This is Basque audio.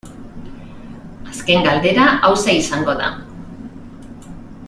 Azken galdera hauxe izango da.